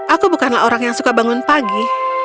aku bukanlah orang yang suka bangun pagi